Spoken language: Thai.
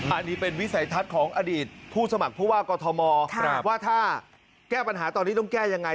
อันนี้เป็นวิสัยทัศน์ของอดีตผู้สมัครผู้ว่ากอทมว่าถ้าแก้ปัญหาตอนนี้ต้องแก้ยังไง